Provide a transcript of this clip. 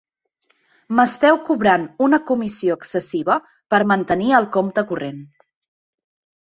M'esteu cobrant una comissió excessiva per mantenir el compte corrent.